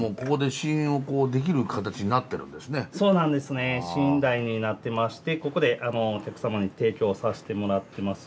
試飲台になってましてここでお客様に提供させてもらってます。